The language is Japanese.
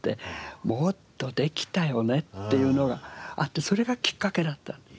もっとできたよねっていうのがあってそれがきっかけだった。